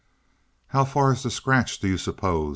"How far is the scratch, do you suppose?"